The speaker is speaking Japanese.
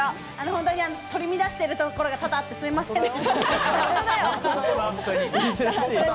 本当に取り乱しているところが多々あってすみませんでした。